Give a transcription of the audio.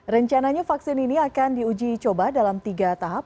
rencananya vaksin ini akan diuji coba dalam tiga tahap